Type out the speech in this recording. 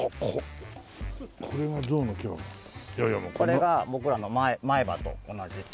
これが僕らの前歯と同じ。